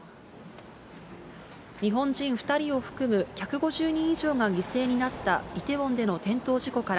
日本人２人を含む１５０人以上が犠牲になったイテウォンでの転倒事故から、